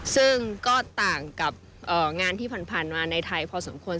ซึ่งก็ต่างกับงานที่ผ่านมาในไทยพอสมควร